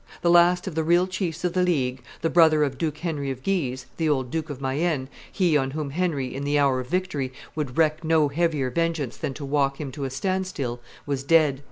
The last of the real chiefs of the League, the brother of Duke Henry of Guise, the old Duke of Mayenne, he on whom Henry, in the hour of victory, would wreak no heavier vengeance than to walk him to a stand still, was dead.